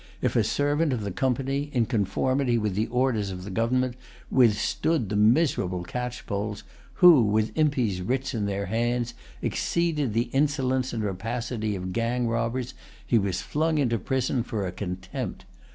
If a servant of the Company, in conformity with the orders of the government, withstood the miserable catchpoles who, with Impey's writs in their hands, exceeded the insolence and rapacity of gang robbers, he was flung into prison for a contempt.